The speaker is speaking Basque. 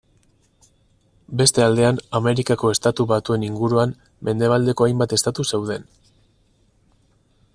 Beste aldean Amerikako Estatu Batuen inguruan mendebaldeko hainbat estatu zeuden.